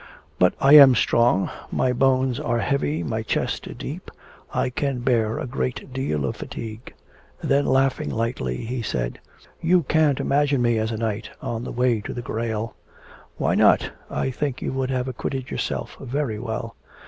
But I am strong; my bones are heavy; my chest is deep; I can bear a great deal of fatigue.' Then laughing lightly he said: 'You can't imagine me as a knight on the way to the Grail.' 'Why not? I think you would have acquitted yourself very well.'